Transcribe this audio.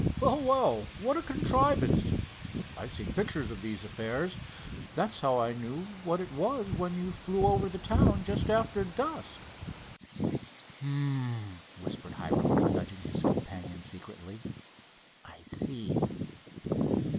"Well, well, what a contrivance. I've seen pictures of these affairs. That's how I knew what it was when you flew over the town just after dusk." "H'm!" whispered Hiram, nudging his companion secretly. "I see."